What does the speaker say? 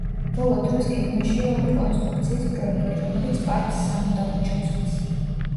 ბოლო დროს გეგმაშია ორი კონსტრუქციის პროექტი, რომელიც პარკს სამუდამოდ შეცვლის.